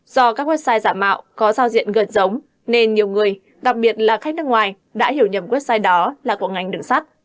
do các website giả mạo có giao diện gần giống nên nhiều người đặc biệt là khách nước ngoài đã hiểu nhầm website đó là của ngành đường sắt